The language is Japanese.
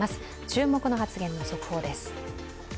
注目の発言の速報です。